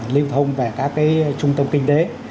lưu thông về các trung tâm kinh tế